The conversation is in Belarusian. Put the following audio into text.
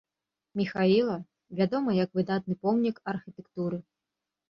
Міхаіла, вядомая як выдатны помнік архітэктуры.